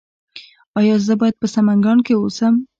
ایا زه باید په سمنګان کې اوسم؟